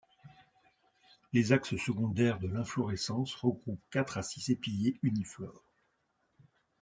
Les axes secondaires de l'inflorescence regroupent quatre à six épillets uniflores.